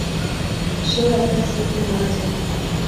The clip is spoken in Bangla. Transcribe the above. সেও একটা এক্সিডেন্টে মারা যায়।